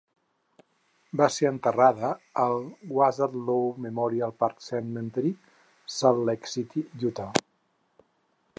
Va ser enterrada al Wasatch Lawn Memorial Park Cemetery, Salt Lake City, Utah.